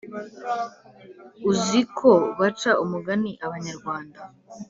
Uzi ko baca umugani abanyarwanda